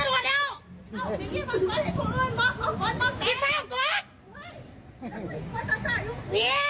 มันมาผู้เดียวแล้ว